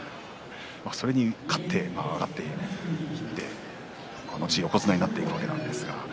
それに勝って上がっていって横綱にそのうちなっていくわけです。